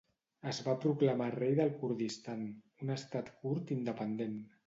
Es va proclamar rei del Kurdistan, un estat kurd independent.